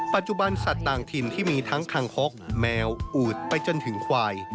ปัจจุบันสัตว์ต่างถิ่นที่มีทั้งคังคกแมวอูดไปจนถึงควาย